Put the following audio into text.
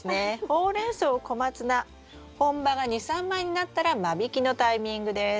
ホウレンソウコマツナ本葉が２３枚になったら間引きのタイミングです。